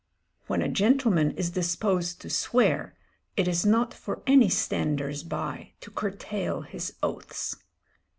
"When a gentleman is disposed to swear, it is not for any standers by to curtail his oaths."